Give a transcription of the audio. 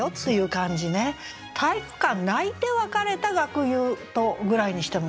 「体育館泣いて別れた学友と」ぐらいにしてもいいかな。